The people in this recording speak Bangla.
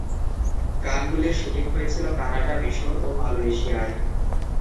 গানগুলির শ্যুটিং হয়েছিল কানাডা, মিশর ও মালয়েশিয়ায়।